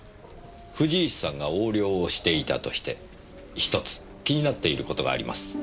藤石さんが横領をしていたとしてひとつ気になっていることがあります。